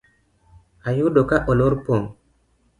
Ayudo ka olor pong